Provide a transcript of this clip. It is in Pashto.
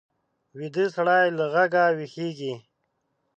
ویده سړی له غږه ویښېږي